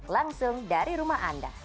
langsung dari rumah anda